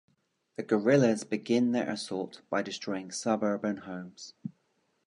The guerrillas begin their assault by destroying suburban homes.